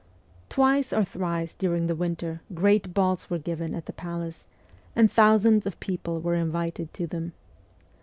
Twice or thrice during the winter great balls were given at the palace, and thousands of people were invited to them.